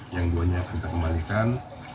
yang duanya kita kembalikan